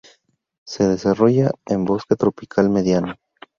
Se desarrolla en bosque tropical mediano.